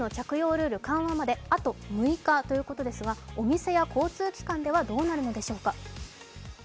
ルール緩和まであと６日ということですがお店や交通機関ではどうなるのでしょうか。